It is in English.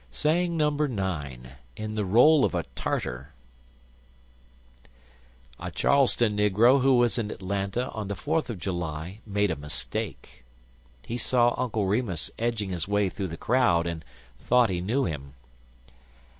IN THE ROLE OF A TARTAR A CHARLESTON negro who was in Atlanta on the Fourth of July made a mistake. He saw Uncle Remus edging his way through the crowd, and thought he knew him.